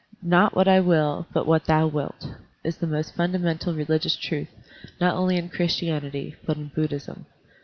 "Not what I will, but what thou wilt," is the most fundamental religious truth, not only in Christianity, but in Buddhism.